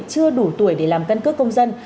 chưa đủ tuổi để làm căn cước công dân